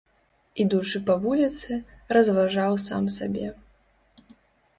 Ідучы па вуліцы, разважаў сам сабе.